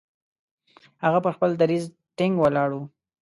هغه پر خپل دریځ ټینګ ولاړ وو.